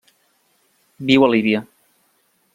Viu a Líbia.